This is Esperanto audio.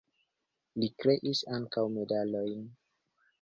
Li kreis ankaŭ medalojn.